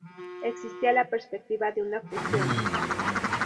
Existía la perspectiva de una fusión